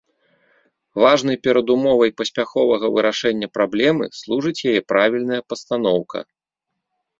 Важнай перадумовай паспяховага вырашэння праблемы служыць яе правільная пастаноўка.